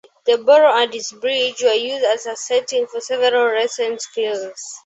The borough and its bridge were used as a setting for several recent films.